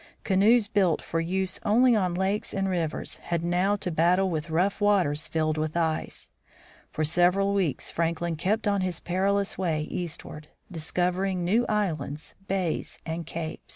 Canoes built for use only on lakes and rivers had now to battle with rough waters filled with ice. For several weeks Franklin kept on his perilous way east ward, discovering new islands, bays, and capes.